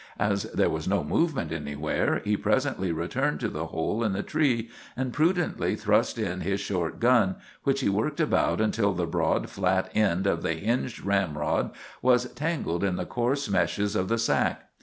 As there was no movement anywhere, he presently returned to the hole in the tree, and prudently thrust in his short gun, which he worked about until the broad, flat end of the hinged ramrod was entangled in the coarse meshes of the sack.